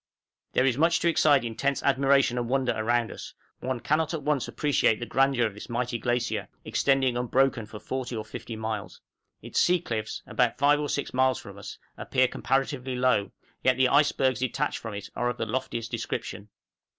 There is much to excite intense admiration and wonder around us; one cannot at once appreciate the grandeur of this mighty glacier, extending unbroken for 40 or 50 miles. Its sea cliffs, about 5 or 6 miles from us, appear comparatively low, yet the icebergs detached from it are of the loftiest description.